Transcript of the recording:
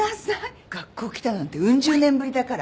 学校来たなんてうん十年ぶりだから。